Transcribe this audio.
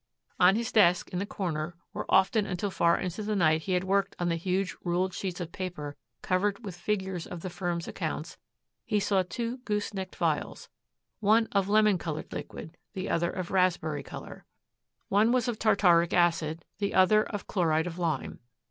On his desk in the corner, where often until far into the night he had worked on the huge ruled sheets of paper covered with figures of the firm's accounts, he saw two goose necked vials, one of lemon colored liquid, the other of raspberry color. One was of tartaric acid, the other of chloride of lime.